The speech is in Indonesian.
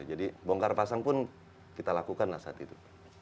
jadi bongkar pasang pun kita lakukan saat itu